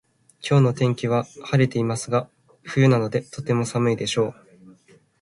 今日の天気は晴れてますが冬なのでとても寒いでしょう